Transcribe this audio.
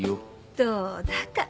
どうだか。